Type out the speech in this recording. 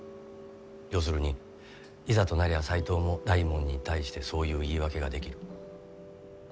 要するにいざとなりゃ斎藤も大門に対してそういう言い訳ができる。